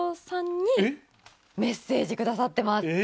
さんにメッセージくださってます。